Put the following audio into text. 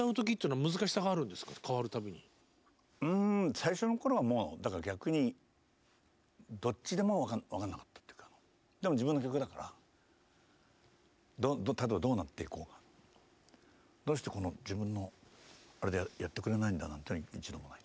最初の頃は逆にどっちでも分からなかったというかでも自分の曲だからたとえどうなっていこうがどうして自分のあれでやってくれないんだなんていうのは一度もない。